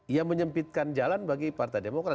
ia menyempitkan jalan bagi partai demokrat